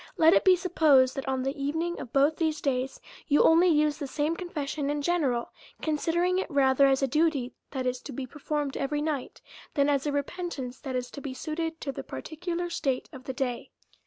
Let it be supposed, that, on the evening of both these days, you only use the same confession in general, con sidering it rather as a duty, that is to be performed every night, than as a repentance that is to be suited to the particular state of the day.